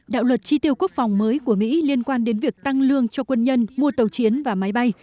đạo luật tri tiêu quốc phòng mới của mỹ liên quan đến việc tăng lương cho quân nhân mua tàu chiến và máy bay